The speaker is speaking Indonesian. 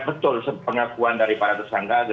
betul pengakuan dari para tersangka itu